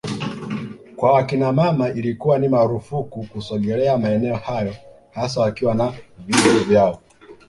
kwa wakinamama ilikuwa ni marufuku kusogelea maeneo hayo hasa wakiwa na vyungu vyao